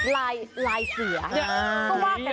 ลายเสือก็ว่าเป็นไป